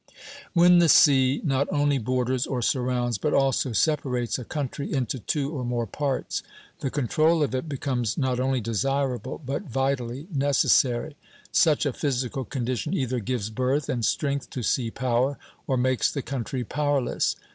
When the sea not only borders, or surrounds, but also separates a country into two or more parts, the control of it becomes not only desirable, but vitally necessary. Such a physical condition either gives birth and strength to sea power, or makes the country powerless.